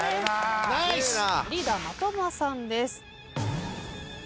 リーダー的場さんです。